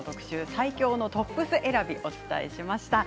最強のトップス選びをお伝えしました。